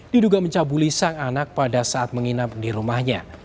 diduga mencabuli sang anak pada saat menginap di rumahnya